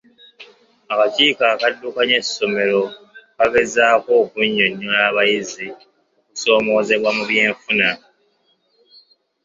Akakiiko akaddukanya essomero kaagezaako okunnyonnyola abayizi okuzoomoozebwa mu byenfuna.